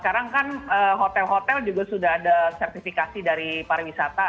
terus juga kalau sekarang kan hotel hotel juga sudah ada sertifikasi dari pariwisata